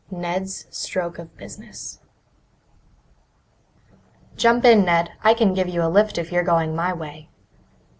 Ned's Stroke of Business "Jump in, Ned; I can give you a lift if you're going my way."